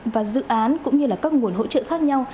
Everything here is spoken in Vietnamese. và dự án cũng như là các nguồn hỗ trợ khác nhau